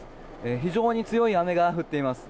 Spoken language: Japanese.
非常に強い雨が降っています。